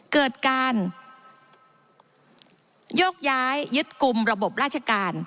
เกิดการโยกย้ายยึดกลุ่มระบบราชการ